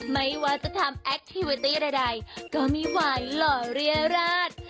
ไม่ว่าจะทำแอคทีเวตี้ใดก็มีหวานหล่อเรียราช